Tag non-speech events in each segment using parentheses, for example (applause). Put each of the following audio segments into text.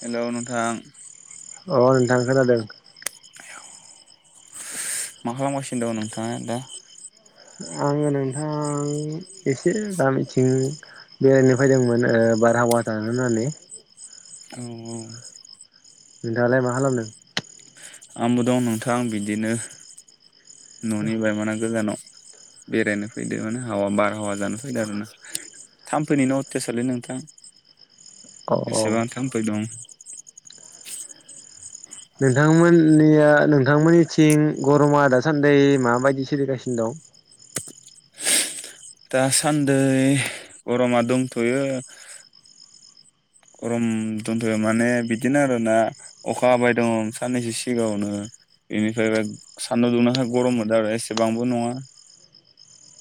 Hello नोंथां अ नोंथां खोनादों। मा खालामगासिनो दं नोंथाङा दा? आङो नोंथां एसे गामिथिं बेरायनो फैदोंमोन ओ बारहावा दानो होननानै। औ औ। नोंथाङालाय मा खालामदों? आंबो दं नोंथां बिदिनो ननि बायमाना गोजानाव। बेरायनो फैदो माने हावा बारहावा जानो फैदो आरोना। थामफैनिनो अथेसालै नोंथां औ औ एसेबां थाम्फै दं। नोंथांमोननिया नों नोंथांमोननिथिं गरमा दासान्दि माबायदि सोलिगासिनो दं? दासान्दै गरमा दंथयो। गरम दंथयो माने बिदिनो आरोना अखा हाबाय दं साननैसो सिगाङावनो बेनिफ्राय सान्दुं दुंनायखाय गरममोनदों आरो एसेबांबो नङा।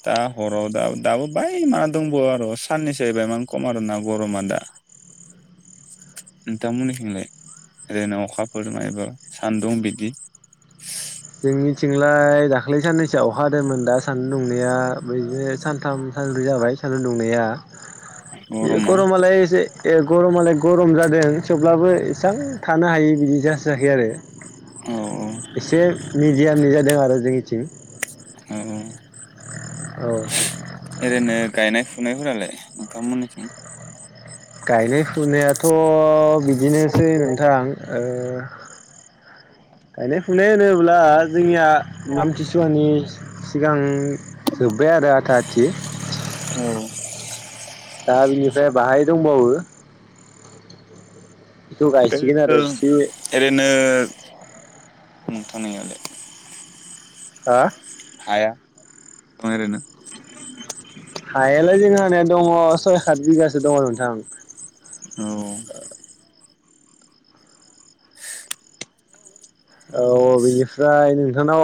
दा हराव दा दाबो बाय मा दंबावो आरो साननैसो बायमान खम आरोना गरमा दा। (inaudible) नोंथांमोननिथिंलाय ओरैनो अखाफोर मायबा सान्दुं बिदि लाय दाख्लै साननैसोआ अखा हादोंमोन दा सान्दुं दुंनाया बिदिनो सानथाम सानब्रै जाबाय सान दुंनाया (inaudible) बे गरमालाय एसे गरमालाय गरम जादों थेवब्लाबो इसां थानो हायि बिदि जासोयाखै आरो। औ औ। एसे मिडियामनि जादों आरो जोंनिथिं। औ औ ओरैनो गायनाय फुनायफोरालाय नोंथांमोननिथिं गायनाय फुनायाथ बिदिनोसै नोंथां ओ गायनाय फुनाय होनोब्ला जोंनिया आामथिसुवानि सिगां जोब्बाय आरो आथा आथि (inaudible) दा बिनिफ्राय बाहाय दंबावो बेखौ बे गायसिगोन ओ आरो बे ओरैनो नोंथांनियालाय हा हाया? दं ओरैनो हायालाय जोंहानिया दङ' सय खात बिगासो दंङ' नोंथां। औ औ बिनिफ्राय नोंथांनाव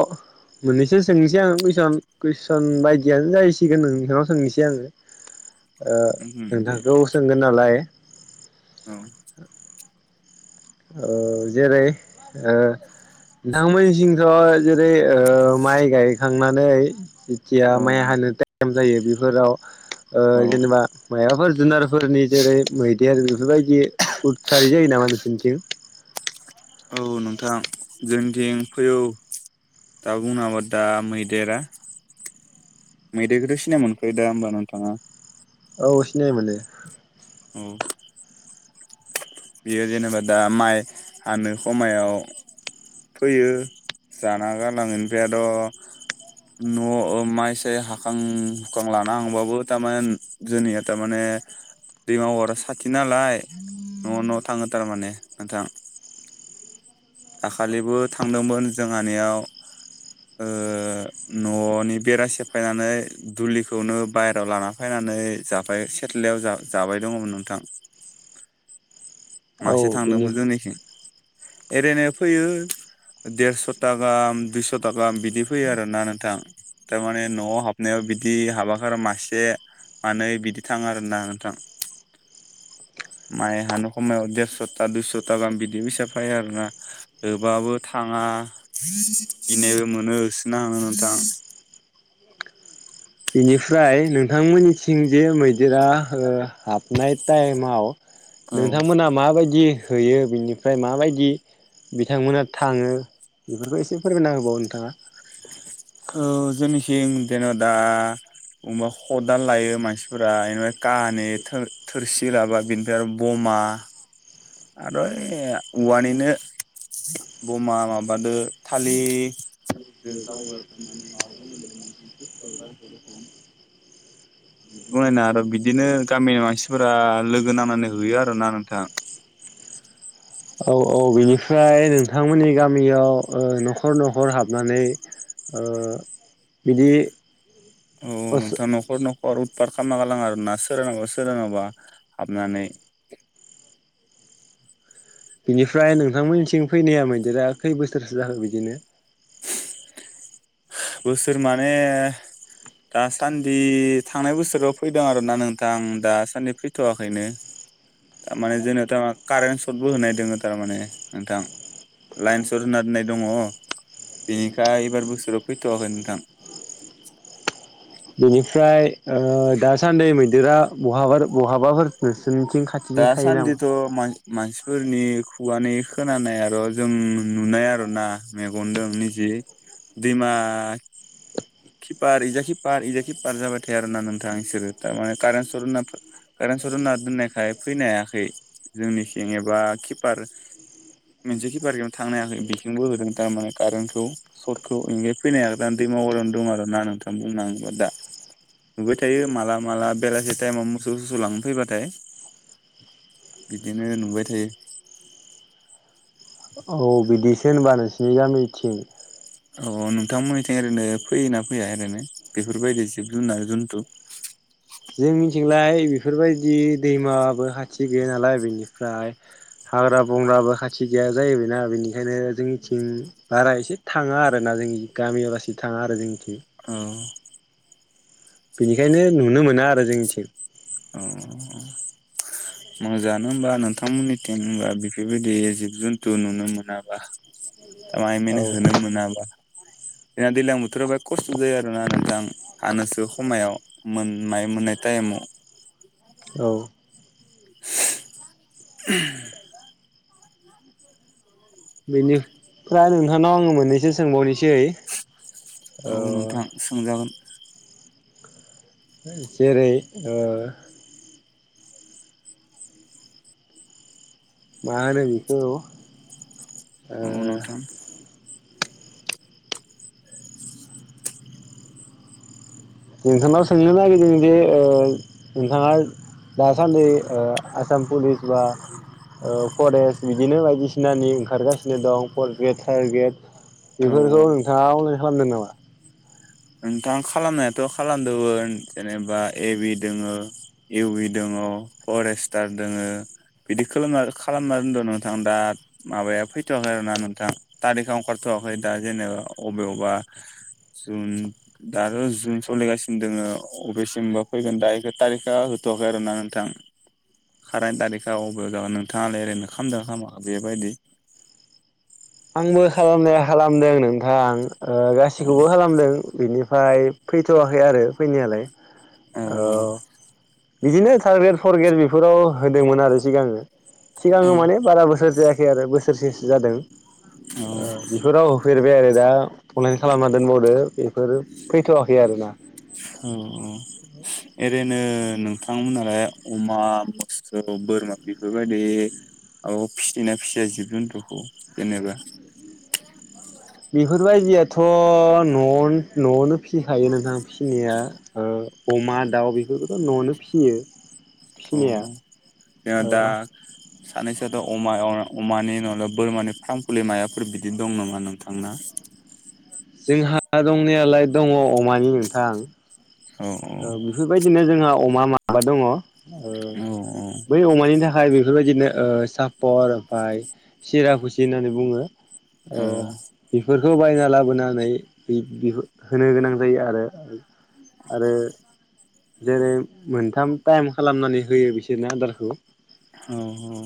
मोननैसो सोंनोसै आङो कुइसन कुइसन बायदियानो जाहैसिगोन नों नोंसनाव सोंनोसै आङो (inaudible) ओ उम दे नोंथांखौ सोंगोन नालाय औ औ औ जेरै ओ नोंथांमोनसिंथ' जेरै ओ माइ गायखांनानै खिया माइ औ हानो टाइम जायो बेफोराव ओ औ जेनेबा माबाफोर जुनारफोरनि जेरै मैदेर बेफोरबायदि उदखारि जायो नामा नोंसिनथिं? औ नोंथां जोंनिथिं फै औ दा बुंनबा दा मैदेरा मैदेरखौथ' सिनाय मोनखायो दा होमबा नोंथाङा? औ सिनायमोनो औ बियो जेनेबा दा माइ हानो खमायाव फैयो जाना गारलाङो (unintelligible) न' ओ माइसे हाखां हुखां लाना हांबाबो थारमाने जोंनिया थारमाने दैमा बरा साथि नालाय न' न' थाङो थारमाने नोंथां। दाखालिबो थांदोंमोन जोंहानियाव ओ न'नि बेरा सेफायनानै दुलिखौनो बाहेरायाव लाना फैना नानै जाफाय सेथलायाव जाबाय दङ'मोन नोंथां। औ मासे बिनि थांदोंमोन जोंनिथिं एरायनो फैयो देरस' था गाहाम दुइस' था गाहाम बिदि फैयो आरो ना नोंथां थारमाने न'आव हाबनायाव बिदि हाबाखार मासे मानै बिदि थांङो आरोना नोंथां। माइहानो हमायाव देरस'था दुइस'था गाहाम बिदि फैसा फायो आरोना होबाबो थांङा गिनायबो मोनो होसोनो आं नोंथां बेनिफ्राय नोंथांमोननिथिं जे मै जेरा ओ हाबनाय टाइमाव औ नोंथांमोना माबायदि होयो बिनिफ्राय माबायदि बिथांमोना थाङो बेफोरखौ एसे फोरमायना होबावो नोंथाङा। औ जोंनिसिं जेन' दा बबा खदाल लायो मानसिफोरा बेनिफ्राय कानै थोरसि लाबा बिनिफ्राय आरो बमा मा आरो औवानिनो बमा माबादो थालिर (inaudible) (inaudible) बुनायना आरो बिदिनो गामिनि मानसिफोरा लोगो नांनानै होयो आरोना नोंथां। (inaudible) औ औ बेनिफ्राय नोंथांमोननि गा मियाव ओ न'खर न'खर हाबनानै ओ बिदि औ अस नोंथां न'खर नख र उदफार खालामना गालांङो आरोना सोरनावबा सोरनावबा हाबनानै बिनिफ्राय नोंथांमोननिथिं फैनाया मैदेरा खै बोसोरसो जाखो बिदिनो? बोसोर माने दासान्दि थांनाय बोसोराव फैदों आरोना नोंथां दासान्दि फैथवाखैनो थारमाने जोंनावथ कारेन्ट सर्टबो होनाय दोङो थारमाने नोंथां लाइन सत होनना दोननाय दङ बेनिखाय एबार बोसोर फैथवाखै नोंथां बेनिफ्राय ओ दासान्दि मैदेरा बहाफोर बहाबाफोर नोंसोरनिथिं दा खाथिजों थायो नामा सान्दिथ मा-मानसि फोरनि खुगानि खोनानाय आर जों नुनाय आरो ना मेगनदों निजि। दैमा। किपार इज खि पार इज कि पार जाबाय थायो आरो ना नोंथां इसोरो थारमाने कारेन सरत हो सर्त दोननायखाय फैनो हायाखै जोंनिथिं एबा किपार मोनसे किपारजों थांनो हायाखै बिथिंबो होदों थारमाने कारेन्टखौ सटखौ इनिखाय फैनो हायाखै दां दैमा दं आरो ना नोंथां बुंनांगौ दा। नुबाय थायो माला-माला बेलासि टायेमाव मोसौ-सोसौ लांनो फैबाथाय। बिदिनो नुबाय थायो। औ बिदिसो होनबा नोंसिनि गामिथिं। अ नोंथांमोननिथिं ओरैनो फैयोना फैया ओरैनो बेफोरबायदि जिब-जुनार जुनथु? जोंनिथिंलाय बेफोरबायदि दैमाबो खाथि गैया नालाय बेनिफ्राय हाग्रा-बंग्राबो खाथि गैया जाहैबाय ना बेनिखायनो जोंनिथिं बारा एसे थाङा आरो ना जोंनि गामियावलासि थाङा आरो जों औ। बेनिखायनो नुनो मोना आरो जोंनिथिं। औ। मोजाङानो होमबा नोंथांमोननिथिं होनबा बेफोरबायदि जिब-जुन्थु नुनो मोनाबा। (unintelligible) होनो औ मोनाबा। जाहा दैज्लां बोथोराव बिरात खस्थ जायो आरो ना नोंथां हानोसो खमायाव मोन माइ मोननाय टायेमाव। (inaudible) बेनि फ्राय नोंथांनाव आङो मोननैसो सोंबावनि? सै ओ। औ नोंथां सोंजागोन जेरै ओ मा होनो बिखौ? औ नोंथां। नोंथांनाव सोंनो नागिरदों जे ओ नोंथांङा दासान्दि ओ आसाम पुलिस बा ओ फरेस्ट बिदिनो बायदिसि नानि ओंखारगासिनो दं फर्थ ग्रेड थार्द ग्रेड औ बेफोरखौ नोंथाङा अनलाइन खालामदों नामा? नोंथां खालामनायाथ खालामदोंमोन जेनेबा ए बि दोङो। इउ बि दङ फरेस्टार दोङो। बिदि खालाना खालामना दोनदों नोंथां दा माबाया फैथ'शवाखै आरोोना नोंथां थारिखा ओंखारथ (unintelligible) दा जेनेबा अबेयावबा जुन दाथ जुन सलिगासिनो दोङो अबेसिमबा फैगोन दा एखो थारिकआ होथवाखै। आरोना नोंथां। कारेन्ट तारिखा अबेयाव जागोन नोंथाङालाय ओरैनो खालामामदों ना खामाखै बेबायदि? आंबो खालामनाया खालामदों नोंथां ओ औ गासैखौबो खालामदों बेनि फ्राय फैथवाखै आरो फैनायालाय। औ बिदिनो थार्द ग्रेड फर्थ ग्रेड बेफोराव होदोंमोन आरो सिगांङो। सिगांङो माने बारा बोसोर जायाखै आरो बोसोरसेसो जादों। औ ओ बेफोराव होफेरबाय आरो दा अनलाइन खालामना दोनबावदों बेफोर फैथ'वाखै आरो ना? औ औ ए रैनो नोंथांमोनालाय अमा, मोसौ, बोरमा बेफोरबायदि औ फिसिनाया फिसियो जिब-जन्थुखौ जेनेबा बेफोरबायदियाथ' न' न'आवनो फिसिखायो नोंथां फिनाया ओ अमा, दाउ बेफोरखौथ' न'आवनो फिसियो। अ फिसिनाया जोङो ओ दा सानैसोआथ' अमा अमानि नङाला बोरमानि फारमफुलि मायाफोर बिदि दं नामा नोंथांना। (inaudible) जोंहा दंनायालाय दङ अमानि नोंथां औ बेफोरबायदिनो जोंहा अमा माबा दङ। ओ औ बै अमानि थाखाय बेफोरबायदिनो ओ सापर ओमफ्राय सिरा खुसि होननानै बुङो ओ औ औ बेफोरखौ बायना लाबोनानै बि होनो गोनां जायो आरो आरो जेरै मोनथाम टाइम खालामनानै होयो बिसोरनो आदारखौ औ औ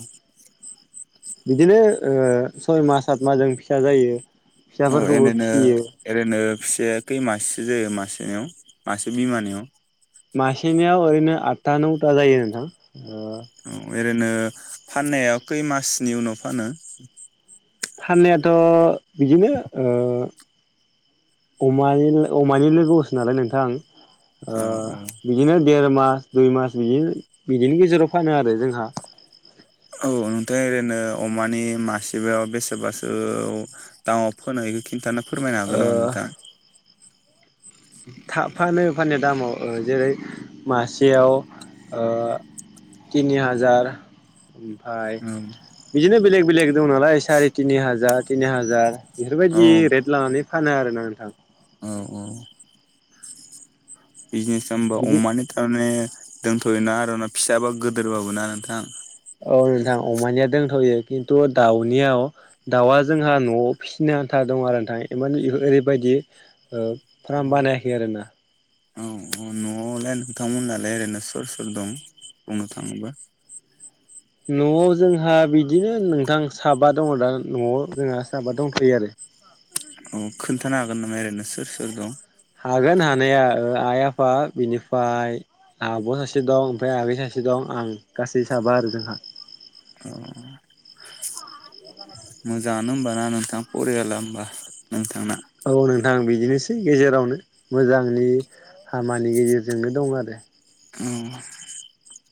बिदिनो ओ सय मास सात मासजों फिसा जायो। औ फिसाफोरखौबो एरैनो फिसियो एरैनो फिसाया खै मासेसो जायो मासेनियाव मासे बिमानियाव मासेनियाव ओरैनो आठथा नौथा जायो नोंथां औ ओरैनो फाननायाव खै मासनि उनाव फानो फाननायाथ' बिदिनो ओ अमानि अमानि लोगोसो नालाय नोंथां ओ औ औ बिदिनो देर मास दुइ मास बिदि बिदिनि गेजेराव फानो आरो जोंहा (inaudible) औ नोंथां ओरैनो अमानि मासेबायाव बेसेबासो दामाव फोनायखौ खिन्थानो फोरमायनो हागोन नामा नोंथां। थाब फानो फाननाया दामाव जेरै मासेयाव ओ तिनि हाजार ओमफाय औ बिदिनो बेलेग बेलेग दं नालाय साराय तिनि हाजार तिनि हाजार औ बेफोरबायदि रेट लानानै फानो आरोना नोंथां। औ औ बिजनेस खालामबा बिदि अमानि थाराने दोनथ'योना आरा फिसाबा गोदोरबाबोना नोंथां। औ नोंथां अमानिया दोनथ'यो खिन्थु दाउनियाव दाउआ जोंहा न'आव फिसिनो आन्था दं आरो नोंथां मानि ओरैबायदि ओ फार्म बानायाखै आरोना औ औ न'आव (unintelligible) ओरैनो सोर सोर दं बुंनो थाङोब्ला न'आव जोंहा बि दिनो नोंथां साबा दङ दा न'आव जोंहा साबा दंखायो आरो औ खोन्थानो हागोन नामा ओरैनो सोर सोर दं। हागोन हानाया ओ आइ आफा बिनिफ्राय आब' सासे दं ओमफ्राय आगै सासे दं आं गासै साबा आरो जोंहा औ मोजाङानो होमबाना नोंथां फरियाला होमबा नों औ नोंथां बिदिनोसै गेजेरावनो मोजांनि हामानि गेजेरजोंनो दं आरो औ